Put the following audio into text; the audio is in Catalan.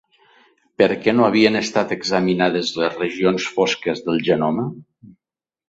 Per què no havien estat examinades les regions fosques del genoma?